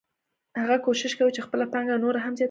هغه کوښښ کوي چې خپله پانګه نوره هم زیاته کړي